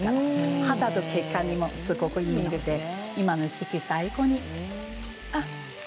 肌と血管にもいいので今の時期最高です。